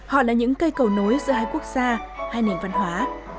họ là những cây cầu nối giữa hai quốc gia hai nền văn hóa